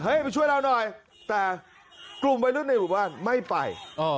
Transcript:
ไปช่วยเราหน่อยแต่กลุ่มวัยรุ่นในหมู่บ้านไม่ไป